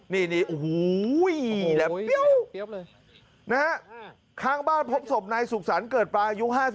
นี่โอ้โหเดี๋ยวนะฮะค้างบ้านพบศพในสุขศัลเกิดปลายุ๕๗